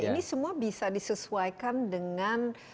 ini semua bisa disesuaikan dengan